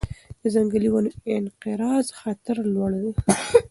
د ځنګلي ونو انقراض خطر لوړ دی.